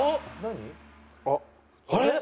あれ？